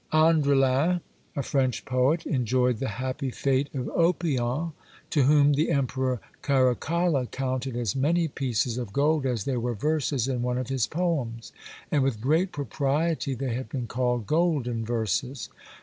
Andrelin, a French poet, enjoyed the happy fate of Oppian, to whom the emperor Caracalla counted as many pieces of gold as there were verses in one of his poems; and with great propriety they have been called "golden verses."